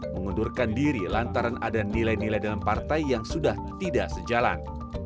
mengundurkan diri lantaran ada nilai nilai dalam partai yang sudah tidak sejalan